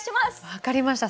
分かりました。